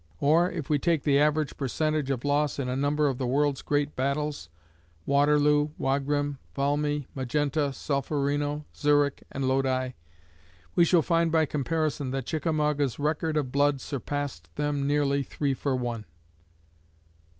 Or, if we take the average percentage of loss in a number of the world's great battles Waterloo, Wagram, Valmy, Magenta, Solferino, Zurich, and Lodi we shall find by comparison that Chickamauga's record of blood surpassed them nearly three for one.